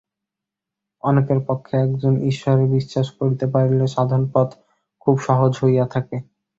অনেকের পক্ষে একজন ঈশ্বরে বিশ্বাস করিতে পারিলে সাধনপথ খুব সহজ হইয়া থাকে।